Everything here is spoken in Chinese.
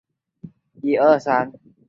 维古莱奥齐。